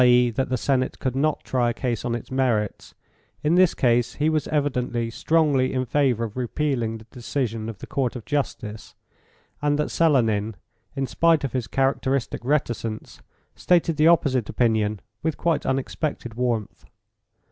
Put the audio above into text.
e., that the Senate could not try a case on its merits, in this case he was evidently strongly in favour of repealing the decision of the Court of Justice, and that Selenin, in spite of his characteristic reticence, stated the opposite opinion with quite unexpected warmth.